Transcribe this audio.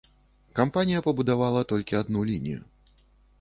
Кампанія пабудавала толькі адну лінію.